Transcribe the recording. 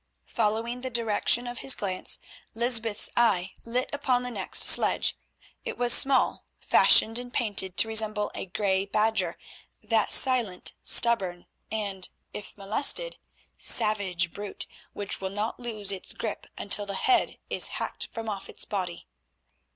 Following the direction of his glance, Lysbeth's eye lit upon the next sledge. It was small, fashioned and painted to resemble a grey badger, that silent, stubborn, and, if molested, savage brute, which will not loose its grip until the head is hacked from off its body.